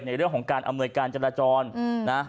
ในเรื่องของการอำนวยการจราจรนะ